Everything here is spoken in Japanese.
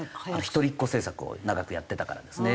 一人っ子政策を長くやってたからですね。